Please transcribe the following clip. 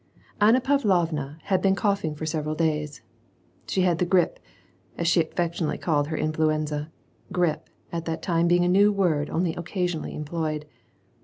Anna Pavlovna had been coughing for several days; she had the grippe^ as she affected to call her influenza — grippe at that time being a new word only occasionally employed.